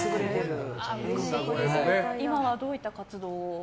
今はどういった活動を？